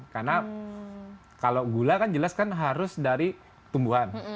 karena kalau gula kan jelas kan harus dari tumbuhan